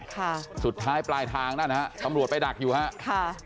ค่ะสุดท้ายปลายทางนั่นฮะตำรวจไปดักอยู่ฮะค่ะ